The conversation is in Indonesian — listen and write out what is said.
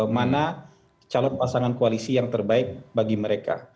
mana calon pasangan koalisi yang terbaik bagi mereka